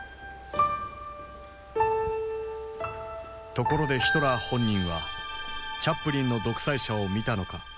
ところでヒトラー本人はチャップリンの「独裁者」を見たのか。